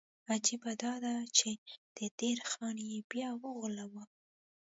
عجیبه دا ده چې د دیر خان یې بیا وغولاوه.